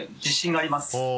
自信があります。